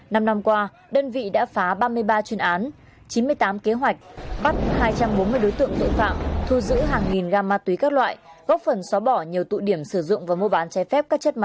năm năm qua đơn vị đã phá ba mươi ba chuyên án chín mươi tám kế hoạch bắt hai trăm bốn mươi đối tượng tội phạm